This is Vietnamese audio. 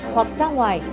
hoặc sang ngoài